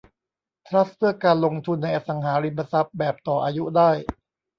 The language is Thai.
ทรัสต์เพื่อการลงทุนในอสังหาริมทรัพย์แบบต่ออายุได้